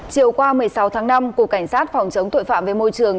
chiều qua một mươi sáu tháng năm cục cảnh sát phòng chống tội phạm về môi trường